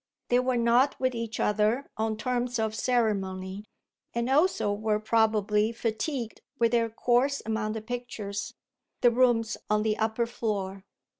They were not, with each other, on terms of ceremony, and also were probably fatigued with their course among the pictures, the rooms on the upper floor.